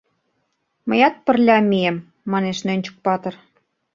— Мыят пырля мием, — манеш Нӧнчык-патыр.